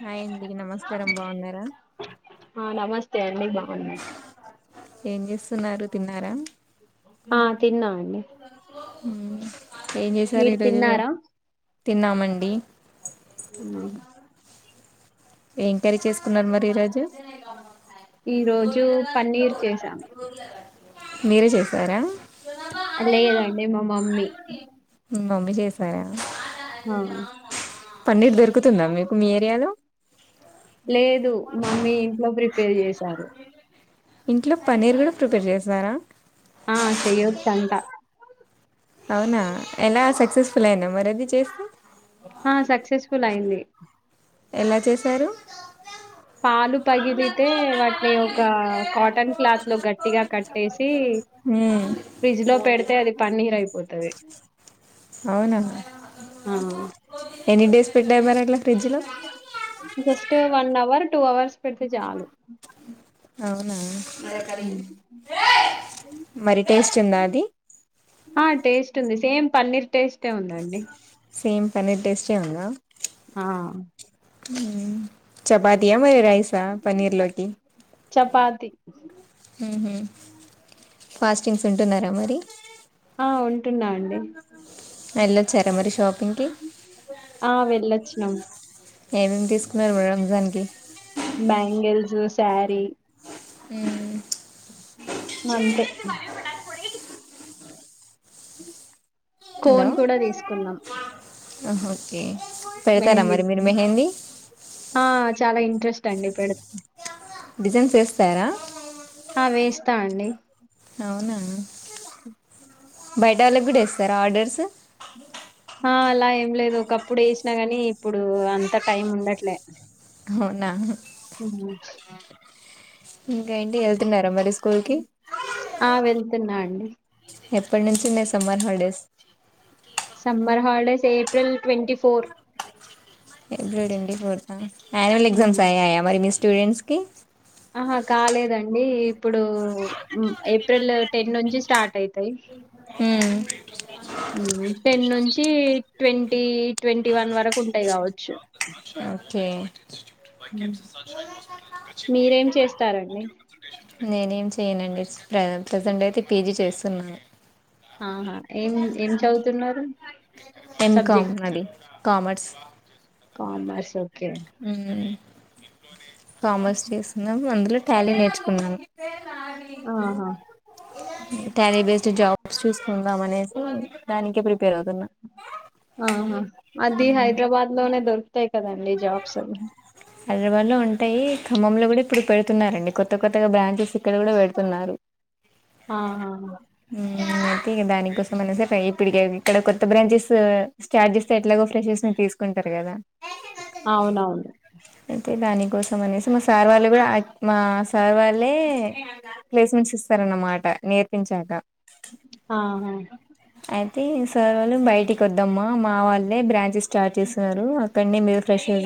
హాయండి నమస్కారం బాగున్నారా తేండి బావున్న ఏం చేస్ సున్నారు తిన్నారా ఆ తిన్నా అండి ఊ మీరు తిన్నారా తిన్నామండి ఊ [unintelligible] ఏంకరీ చేసుకున్నారు మరి ఈరోజు ఈ రోజు పన్నీర్ చేసాము మీరే చేసారా లేదండి మా మమ్మీ మమ్మీ చేసార ఆ పన్నీర్ దొరుకుతుందా మీకు మీ ఏరియాలో పే చేసారు ఇంట్లో పన్నీర్ కూడా ప్రిపేర్ చేసినారా చంట అవునా ఎలా సక్సెస్ఫుల్ ఐందా మరది చేస్తే ఆ సక్సెస్ఫుల్ అయింది ఎలా చేశారు పాలు పగిలితే వాటిని ఒక కాటన్ క్లాత్ లో గట్టిగా కట్టేసి మ్మ్ ఫ్రిడ్జ్ లో పెడితే అది పన్నీరు అయిపోతది అవునా ఆ ఎన్ని డేస్ పెట్టావ్ మరి అట్లా ఫ్రిడ్జ్లో just one hour two hours పెడితే చాలు హ అదా కర్రి మరీ టేస్ట్ ఉందా అది ఆ టేస్ట్ ఉంది సేమ్ పన్నీర్ టేస్టే ఉందండి. సేమ్ పన్నీర్ టేస్టే ఉందా ఆ ఉ చపాతీయ రవుయ్ రైసా పన్నీర్ లోకి చపాతి ఫాస్టింగ్స్ ఉంటున్నారా మరి ఆ ఉంటున్నా అండి యెల్లోచ్చారా మరి షాపింగ్కి ఆ వెళ్ళొచ్చినాం ఏమ్ తీసుకున్నారు మేడం రంజాన్కి బ్యాంగల్సు స్యారీ ఉ అంతే ఉ కోన్ కూడా తీసుకున్నాం ఆహా ఓకే పెడతారా మెహందీ మరి మీరు మెహందీ ఆ చాలా ఈ ట్రెస్ట్ అండి పెడత డిజైన్స్ యేస్తారా త్త అండి అవునా బై వాళ్ళు కూడా యేస్తారా ఆర్డర్సు ఆ అలా ఏం లేదు ఒకప్పుడు వేసినా గాని ఇప్పుడు అంత టైం ఉండట్లా అవ్నా ఉహు ఇంకేంటి వెళ్తున్నారా మరి స్కూల్ కి తున్నా అండి ఎప్పటి నుంచి ఉన్నాయ్ summer holidays summer holidays April twenty four April twenty fourth అ అన్యువల్ ఎగ్జామ్స్ అయ్యాయా మరి మీ స్ స్టూడెంట్స్ కి ఆహా కాలేదండి ఇప్పుడు ఏప్రిల్ టెన్ నుంచి స్టార్ట్ అయితాయ్ ఉ టెన్ నుంచి ట్వంటీ ట్వంటీ వన్ వరకు ఉంటాయ్ కావచ్చు ఓకే బయ కేప్స్స్ కచ్చి బ పోలీ మీరేం బు చేస్తారండి య కన్సల్టేషన్ [unintelligible] నేనేం చెయ్యనండి ప్రెసెంట్ అయితే పీజీ చేస్తున్నాను ఆహా ఏం ఏం చదువుతున్నారు ఎంకామ్ సబ్జెక్ట్ అండి కామర్స్ కామర్స్ ఓ ఉమ్ చేస్తున్నాం అందులో టాలీ నేర్చుకున్నాను ఆహా టాలీ బెస్ట్ జా చూసుకుందాం అనేసి దానికి ప్రిపే ఆహా అది హైదరాబాద్ లోనే దొరుకుతాయి కదండి. జాబ్స్ హైదరాబాద్ లో ఉంటాయి ఖమ్మంలో కూడా ఇప్పుడు పెడుతున్నారండి కొత్త కొత్తగా బ్రాంచెస్ ఇక్కడ కూడా పెడుతున్నారు. ఆ ఆ అయితే దానికోసం అనేసే ప్పడికి ఇక్కడ కొత్త బ్రాంచెస్ స్టార్జెస్ ఎట్లాగ ఫ్రెస్ తీసుకు ఒకుంటారు కదా అవునవును అయి దానికోసం అనేసి మా సార్ వాళ్ళు కూడా మా సార్ వాళ్ళే ప్లేస్మెంట్స్ ఇస్తారన్నమాట నేర్పించాక. ఆ సేవలు బయటికి వద్దమ్మా మా వాళ్ళే బ్రాంచెస్ స్టార్ట్ చేస్తున్నారు అక్కని మీరు తసేజ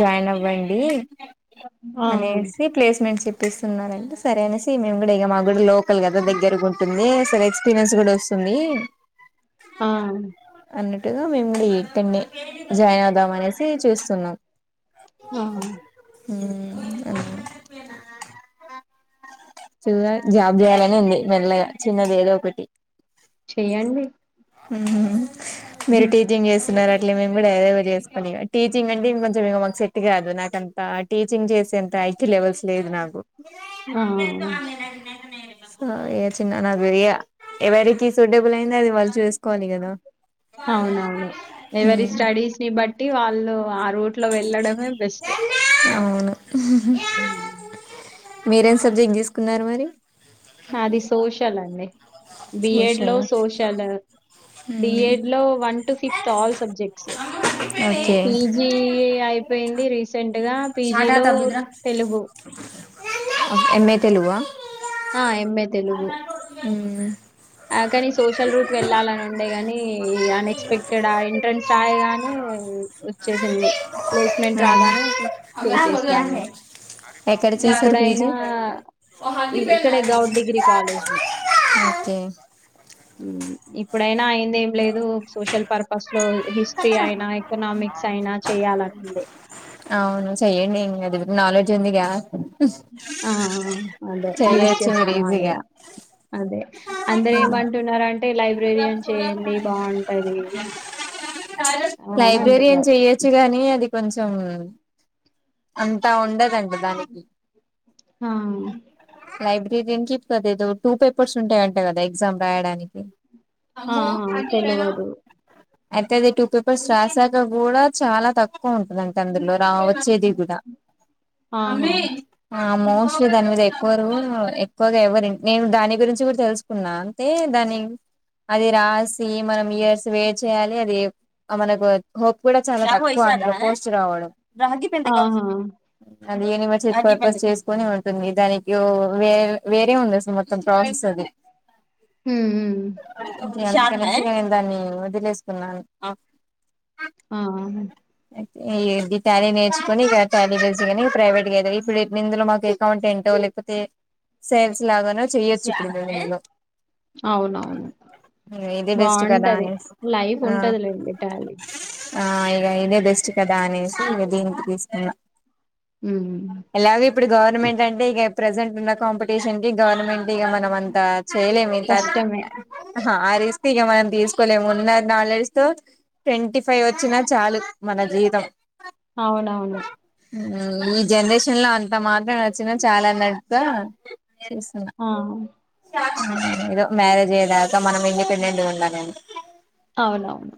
జాయిన్ అవ్వండి ఆ అనేసి ప్లేస్మెంట్ప్ పిస్తున్నారంటే సరే అనేసి మేము కూడా ఇ మా కూడా లో గాద దగ్గర ఉంటు అసలు ఎక్స్పీరియన్స్ కూడా వస్తుంది ఆ అన్నట్టుగా మిమున్ని జాయిన్ అవుదామనే చేూస్తున్నాం ఆ చూగా జాబ్ చేయాలని ఉంది మెల్లగా చిన్నది ఏదో ఒకటి చెయ్యండి హ మెరిటీజింగ్ ఎస్ స్తున్నారు అట్లే మేము డైరైట్ వ చేసుకొని టీచింగ్ అంటే ఇంక కొంచెం ఇం మాకు సెట్ కాదు నాకంతా టీచింగ్ చేసేంత ఐకు లెవెల్స్ లేదు నాకు ఆ ఏ చిన్న నాది ఎవరికి సూటబుల్ అయింది అది వాళ్ళు చూసుకోవాలి కదా అవునవును ఎవరి స్టడీస్ ని బట్టి వా ఆ రూట్ లో వెళ్ళడం బెస్ట్ అవును అ మీరేం సబ్జెక్ట్ తీసుకున్నారు మరి నాది సోషల్ అండి బిఎడ్ లో సోషల్ సోషల్ మ్మ్ బిఎడ్ లో one to fifth all subjects okay PG అయిపోయింది రీసెంట్గా పీజీలో తెలుగు [unintelligible] ఆ ఏమే తెలుగు హామ్ ఆ కాని సోషల్ రూట్ వెళ్ళాలని ఉండే గాని ఈ అన్ఎక్స్పెక్టెడ్ ఆ ఎంట్రెన్స్ రాయగానే చేసింది చేసేసిన ఇగ ఎక్కడ చేస్తారు పీజీ ఇప్పుడైనా ఇక్కడే గౌట్ డిగ్రీ కాలేజ్ లో ఒకే ఇప్పుడైనా అయింది ఏం లేదు సోషల్ పర్పస్ లో హిస్టరీ అయినా ఎకనామిక్స్ అయినా చెయాలని ఉండే అవును చెయ్యండి ఎంగదు నాలెడ్జ్ ఉంది గా ఆ ఆ అదే యూస్ చెయ్యొచ్చు మీరు చేసుకోవాలిగ ఈజీగా అదే అంటే ఏమంటున్నారం ఆ, అని లైబ్రరియన్ అంటున్నారు చెయొచ్చు గానీ అది కొంచెం ఆ అంతా ఉండదం దానికి ఆ లైబ్రరియన్ కి కదేదో టూ పేపర్స్ ఉంటయంట కదా ఎగ్జామ్ రాయడానికి ఆఆ తెలవదు అయితే అది టూ పేపర్స్ రాసాక కూడా చాలా తక్కువ ఉంటదంట అందులో రావచ్చు ఆహా [unintelligible] ఆ మోస్ట్లీ దాని మీద ఎక్కువ ఎక్కువగా ఎవరు నేను దాని గురించి కూడా తెలుసుకున్నా అంటే దాని అది రాసి మనం ఇయర్స్ వే చేయాలి అది మనకు హోప్ కూడా చాలా తక్కువ అని పోస్ట్ రావడం రాగి బిందెగ ఆహా అది ఎన్ని మెసేజ్ పర్ [unintelligible] స్ చేసుకొని ఉంటుంది దానికి ఊ వేర్ వేరే ఉంది అసలు మొత్తం ప్రాసెస్ అది. హూ ఉమ్ ఇగ అందుకనేసి ఇగ నేను దాన్ని వదిలేసుకున్నాను. ఆ ఈ ది టాలి నేర్చుకొని ఇగ శాలరీ బేస్ గాని ప్రైవేట్ గా ఏదై ఇప్పుడు ఇందులో మాకు అకౌంటెంటో లేకపోతే సేల్స్ లాగానో చెయొచ్చు ఇప్పుడు నేను ఇందులో అవునవును ఇదే బెస్ట్ కదా బావుంటది అనేసి లైఫ్ ఆ ఉంటదిలేండి టాలీ ఆ ఇగ ఇదే బెస్ట్ కదా అనేసి ఇగ దీనికి తీసుకున్నా ఉమ్ ఎలాగో ఇప్పుడు గవర్నమెంట్ అంటే ఇగ ప్రెజెంట్ ఉన్న కాంపిటీషన్ కి గవర్నమెంట్ ఇగ మనం అంత చేయలేం ఇంత కష్టమే ఆ రిస్క్ ఇగ మనం తీస్ కోలేము ఉన్న నాలెడ్జ్ తో ట్వంటీ ఫైవ్ వచ్చినా చాలు మన జీతం. అవునవును హ్మ్ ఈ జనరేషన్ లో అంత మాత్రం వచ్చినా చాలన్నంత తీసుకున్నా ఆ హ్మ్ ఎదో మ్యారేజే [unintelligible] ఇంకా మనం ఇండిపెండెంట్ గుండాలని అవునవును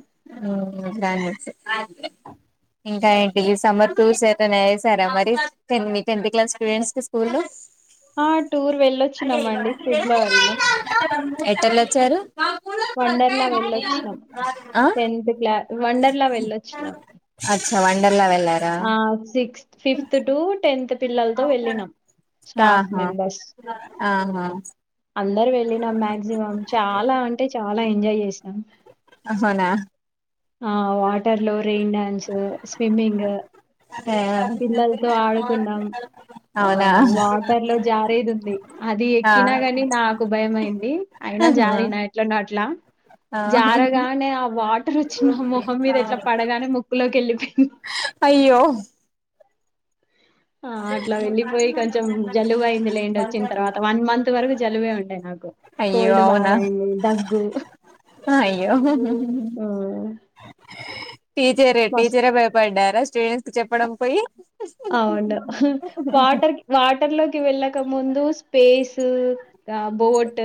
ఇంకా ఏన్ ఈ సమ్మర్ [unintelligible] పెన్ చేసారా మరి టెన్ మీ టెన్త్ క్లాస్ స్టూడెంట్స్ కి స్కూల్ ఆ టూర్ వెళ్ళొచ్చినామండి ఫిబ్లవరిలో ఎటెళ్ళొచ్చారు. వండర్ లా వెళ్ళొచ్చినాం ఆ టెన్త్ క్లా వండర్ లా వెళ్ళొచ్చినాం వండర్లా వెల్ ఆ సిక్స్ ఫిఫ్త్ టూ టెన్త్ పిల్లలతో ఆహా వెళ్ళినాం స్టాఫ్ మెంబర్స్ ఆహా అందరు వెళ్ళినాం మాక్సిమం చాలా అంటే చాలా ఎంజాయ్ చేసాం. అవునా ఆ వాటర్ లో రెయిన్ డాన్స్ స్విమ్మింగ్ ఆ పిల్లలతో ఆడుకున్నాం ఆ అవునా వాటర్ లో జారేది ఉంది అది ఆ ఎక్కినా గాని నాకు భయమయింది అయినా జారిన ఎట్లనో అట్ ట్లా ఆ జారగానే ఆ వా అమ్మో మొహం మీద ఇట్లా పడగానే ము లోకెల్లి పొయింది అయ్యో ఆ అట్లా వెళ్లిపోయి కొంచెం జలుబ అయింది లేండి వచ్చిన తర్వాత వన్ మంత్ వరకు జలుబే ఉండె నాకు అయ్యో కోల్డ్ బాగాయింది దగ్గు అ అయ్యో హ్మ్. టీచరే మస్ టీచరే భయపడ్డారు స్టూడెంట్స్ కి చెప్పడం పోయి అవుం వాటర్ వాటర్ లో కి వెళ్ళక ముందు స్పేస్ ఆ బోట్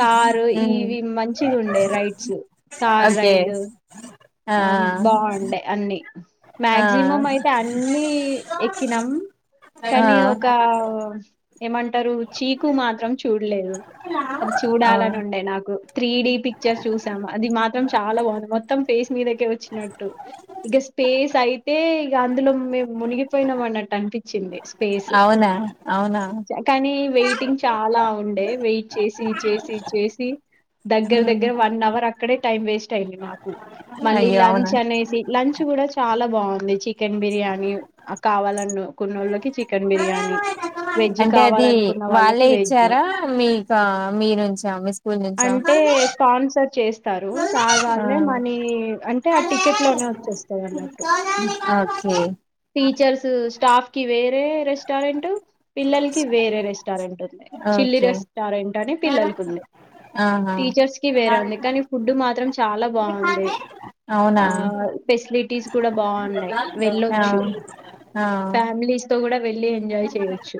కారు ఉమ్, ఇవి మంచిగ ఉండే రైడ్స్ కార్ ఓకే రైడ్ ఆ బాగుండే అన్నీ ఆ మేక్సిమం అయితే అన్ని ఎక్కినం ఆ కానీ ఒక ఏమంటరు చీకు మాత్రం చూడ్లే అది చూడాలని అవును ఉండే నాకు త్రీ డి పిక్చర్స్ చూసాము అది మాత్రం చాలా బావుంది మొత్తం మీదకే వచ్చినట్టు ఇగ స్పేస్ అయి తే ఇగ అందులో మేము మునిగిపోయినం అన్నట్టు అనిపిచింది అవునా అవునా కానీ వెయిటింగ్ చాలా ఉండే వెయిట్ చేసి చేసి చేసి దగ్గర ఉమ్ దగ్గర వన్ అవర్ అక్ క్కడే టైం వేస్ట్ అయింది మాకు మళ్ళీ అయ్యో అవునా లంచ్ అనేసి లంచ్ గూడ చాలా బావుంది చికెన్ బిర్యానీ కావాలను కున్నోళ్లకి చికెన్ బిర్యానీ వెజ్ అంటే అది కావాలనుకున్న వాళ్ళకి వాళ్ళే వెజ్ ఇచ్చార మీక మీ నుంచా మీ స్కూల్ నుంచా చేస్ ఇస్తారు సార్ ఆ వాల్లే మనీ అంటే ఆ టికెట్ లోనే వచ్చేస్తది అన్నట్టు ఓకే టీచర్స్ స్టాఫ్ కి ఇవే వేరే రెస్టారెంట్ పిల్లలకి వేరే రెస్టారెంట్ ఉంది చిల్లీ ఓకే రెస్టారెంట్ అని పిల్లలకుంది ఆహా టీచర్స్ కి వేరే ఉంది కానీ ఫుడ్ మాత్రం చాలా బావుంది అవునా అ పేసిలిటీస్ కూడా బావున్నాయి ఆ వెళ్ళొచ్చు ఆ ఫ్యామిలీస్ తో కూడా వెళ్ళి ఎంజాయ్ చేయొచ్చు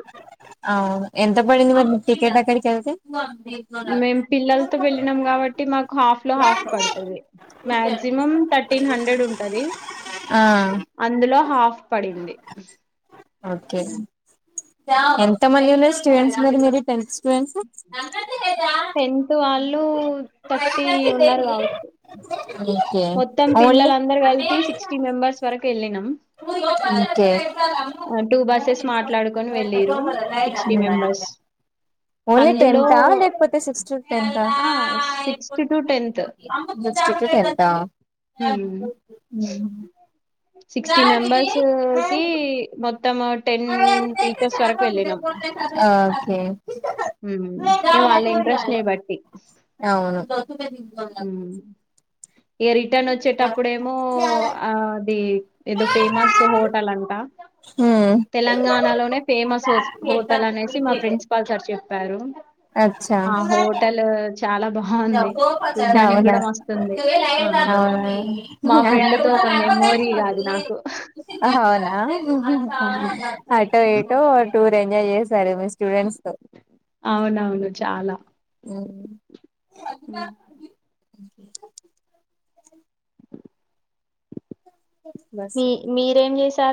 అవును ఎంత పడింది మరి బుక్ టికెట్ కడికేల్తే మేము పిల్లలతో వెళ్ళినం కాబట్టి మాకు హాఫ్ లో హాఫ్ పడతది మాక్సిమం తర్టీన్ హండ్రెడ్ ఉంటది ఆ అందులో హాఫ్ పడింది ఓకే ఎంత మంది ఉన్నారు స్టూడెంట్స్ మరి మీరు టెన్త్ స్టూడెంట్స్ టెన్త్ వాళ్లు థర్టీ ఉన్నారు కావచ్చు ఓకే మొత్తం పిల్లల ఓన్లీ అందరు కలిపి సిక్స్టీ మెంబర్స్ వర కెళ్ళిన ఓకే ఉమ్ టూ బస్సెస్ మాట్లాడుకొని వెళ్ళిరు సిక్స్టీ మెంబర్స్ ఓన్లీ అందులో టెన్త్ ఆ లేకపోతే సిక్స్ టు టెన్త్ ఆ sixth to tenth six to tenth ఆ ఉ ఉమ్ సిక్స్టీ మెంబర్స్ కి మొత్ మొత్తం టెన్ టీచర్స్ వరకు వెళ్ళినం ఓకే హ్మ్ ఏమో వాళ్ళ ఇంట్రెస్ట్ నీ బట్టి అవును హ్మ్ ఇగ రిటర్న్ వచ్చేటప్పుడు ఏమో ఆ అది ఏదో ఫేమస్ హోటల్ అంటా హ్మ్ తెలంగాణలోనే ఫేమస్ హౌస్ హోటల్ అనేసి మా ప్రిన్సిపాల్ సార్ చెప్ ప్పారు అచ్చా ఆ హోటల్ చాలా బాగుంది చూడ్డానికి కూడా మస్తుంది అవును మా ఫ్రెండ్ తో ఒక మెమోరీ కాదు నాకు అవునా ఆహా అటో ఏటో టూర్ ఎంజాయ్ చేశారు మిస్ అవునవును చాలా ఉమ్ కుంటే బస్ మీ మీరేం చేస్